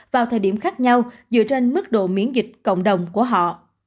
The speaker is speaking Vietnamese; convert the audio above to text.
vào thời điểm khác nhau dựa trên mức độ miễn dịch cộng đồng của họ